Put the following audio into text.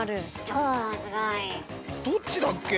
どっちだっけ？